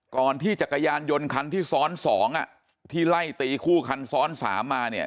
ก่อนที่จักรยานยนต์คันที่ซ้อน๒ที่ไล่ตีคู่คันซ้อน๓มาเนี่ย